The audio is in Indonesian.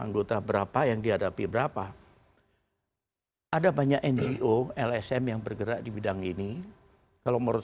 anggota berapa yang dihadapi berapa ada banyak ngo lsm yang bergerak di bidang ini kalau menurut